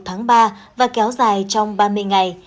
từ một mươi một tháng ba và kéo dài trong ba mươi ngày